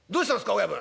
親分」。